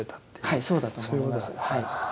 はいそうだと思います。